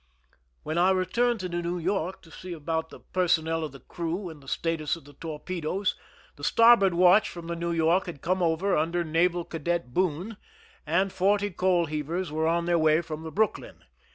When I returned to the New York to see about the personnel of the crew and the status of the tor pedoes, the starboard watch from the New York had come over under Naval Cadet Boone, and forty coal heavers were on their way from the Brooklyn.